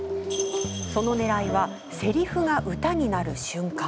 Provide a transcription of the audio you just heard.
そのねらいはせりふが歌になる瞬間。